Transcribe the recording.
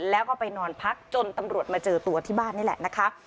แล้วก็ไปนอนพักจนตำรวจมาเจอตัวที่บ้านนี่แหละนะคะ